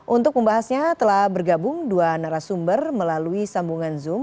untuk membahasnya telah bergabung dua narasumber melalui sambungan zoom